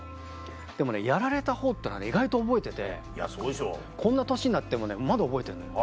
でもねやられたほうってのはね意外と覚えててこんな年になってもねまだ覚えてんの。